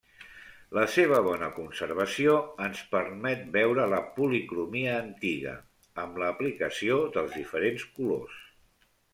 La seva bona conservació ens permet veure la policromia antiga, amb l'aplicació dels diferents colors.